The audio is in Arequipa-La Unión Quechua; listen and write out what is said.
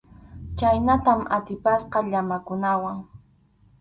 Chhaynatam atipasqa llamakunawan.